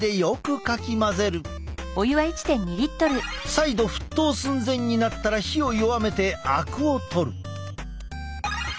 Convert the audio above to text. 再度沸騰寸前になったら火を弱めてあくをとる。